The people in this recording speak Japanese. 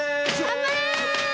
頑張れ！